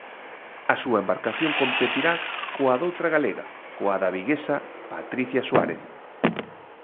A súa embarcación competirá coa doutra galega, coa da viguesa Patricia Suárez.